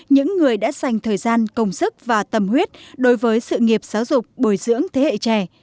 những người đã dành thời gian công sức và tâm huyết đối với sự nghiệp giáo dục bồi dưỡng thế hệ trẻ